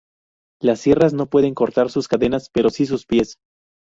Las sierras no pueden cortar sus cadenas, pero si sus pies.